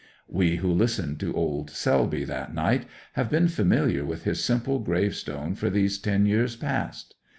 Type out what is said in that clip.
We who listened to old Selby that night have been familiar with his simple grave stone for these ten years past.